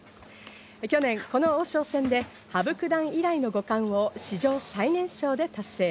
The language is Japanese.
去年、この王将戦で羽生九段以来の五冠を史上最年少で達成。